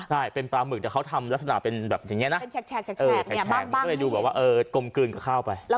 ใช่เป็นปลาหมึกแต่เขาทำลักษณะเป็นแบบอย่างนี้นะแขกมันก็เลยดูแบบว่ากลมกลืนกับข้าวไป